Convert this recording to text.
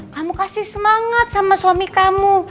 kamu kasih semangat sama suami kamu